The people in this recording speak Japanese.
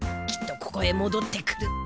きっとここへもどってくる。